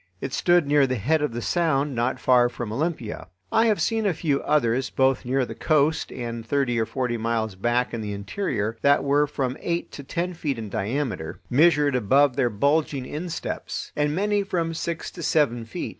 It stood near the head of the Sound not far from Olympia. I have seen a few others, both near the coast and thirty or forty miles back in the interior, that were from eight to ten feet in diameter, measured above their bulging insteps; and many from six to seven feet.